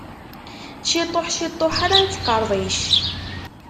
Ciṭuḥ ciṭuḥ ara nettqerḍic.